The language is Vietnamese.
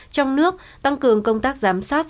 trong nước tăng cường công tác giám sát